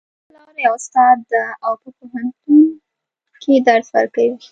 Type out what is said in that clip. زما پلار یو استاد ده او په پوهنتون کې درس ورکوي